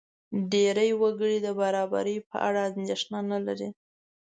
ډېری وګړي د برابرۍ په اړه اندېښنه نه لري.